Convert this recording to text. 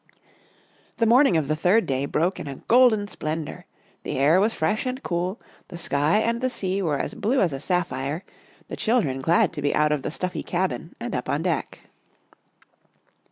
The morning of the third day broke in a golden splendour, the air was fresh and cool, the sky and the sea were as blue as a sapphire, the chil dren glad to be out of the stuffy cabin and up on deck.